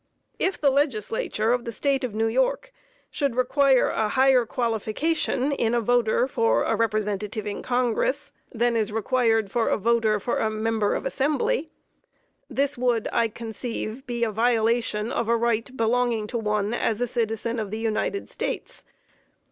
If the Legislature of the State of New York should require a higher qualification in a voter for a representative in Congress than is required for a voter for a Member of Assembly, this would, I conceive, be a violation of a right belonging to one as a citizen of the United States.